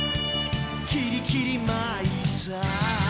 「キリキリ舞いさ」